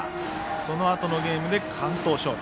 そのあとのゲームで完投勝利。